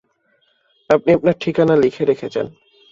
আপনি আপনার ঠিকানা লিখে রেখে যান।